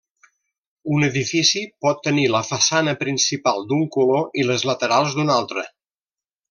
Un edifici pot tenir la façana principal d'un color i les laterals d'un altre.